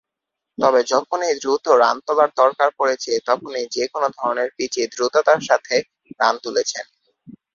তবে, যখনই দ্রুত রান তোলার দরকার পড়েছে তখনই যে-কোন ধরনের পিচে দ্রুততার সাথে রান তুলেছেন।